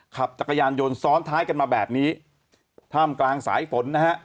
ขับจักรยานยนต์ซ้อนท้ายกันมาแบบนี้ท่ามกลางสายฝนนะฮะ